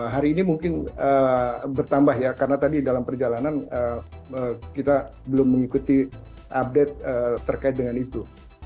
hari ini mungkin bertambah ya karena tadi dalam perjalanan kita belum mengikuti update terkait dengan itu